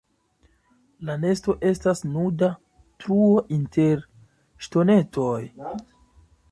La nesto estas nuda truo inter ŝtonetoj.